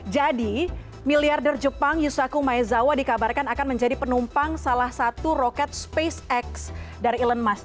jadi miliarder jepang yusaku maezawa dikabarkan akan menjadi penumpang salah satu roket spacex dari elon musk